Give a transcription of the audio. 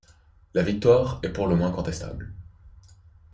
La victoire est pour le moins contestable.